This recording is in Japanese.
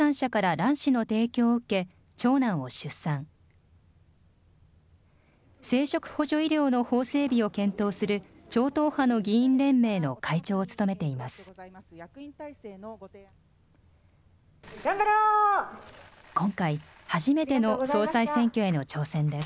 生殖補助医療の法整備を検討する、超党派の議員連盟の会長を務めています。